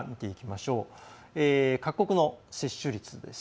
各国の接種率です。